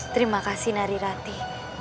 terima kasih narirati